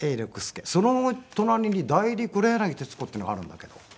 その隣に「代理黒柳徹子」っていうのがあるんだけど。